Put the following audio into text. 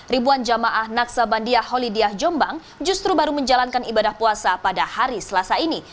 ribuan jamaah naksabandia holidiyah jombang justru baru menjalankan ibadah puasa pada hari selasa ini